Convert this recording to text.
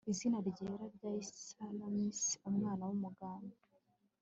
izina ryera rya salamis umwana w'umugaga